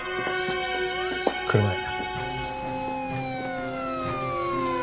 車へ。